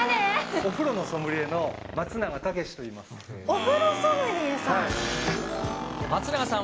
お風呂のソムリエの松永武とお風呂ソムリエさん。